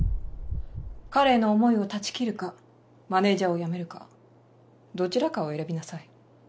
彼への思いを断ち切るかマネージャーを辞めるかどちらかを選びなさい。